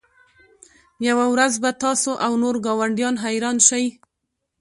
یوه ورځ به تاسو او نور ګاونډیان حیران شئ